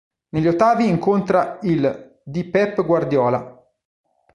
Negli ottavi incontra il di Pep Guardiola.